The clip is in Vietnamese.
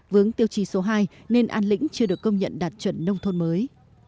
vướng tiêu trì số hai nên an lĩnh chưa được công nhận đạt chuẩn nông thôn mới